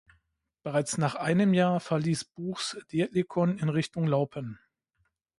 Bereits nach einem Jahr verliess Buchs Dietlikon in Richtung Laupen.